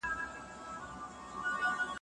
د وخت په تیارو کې ور پورې شوي دي.